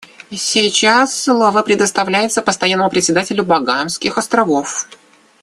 Сейчас слово предоставляется Постоянному представителю Багамских Островов.